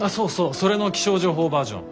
それの気象情報バージョン。